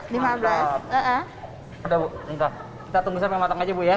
udah bungka kita tunggu sampai matang aja bu ya